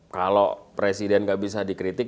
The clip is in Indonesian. kalau presiden nggak bisa dikritik